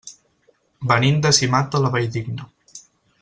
Venim de Simat de la Valldigna.